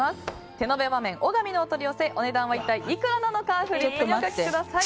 手延和麺小神のお取り寄せお値段は一体いくらなのかフリップにお書きください。